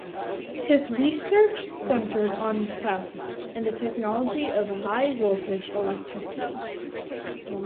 His research centered on plasma and the technology of high voltage electricity.